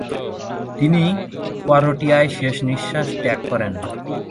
তিনি করটিয়ায় শেষ নিশ্বাস ত্যাগ করেন।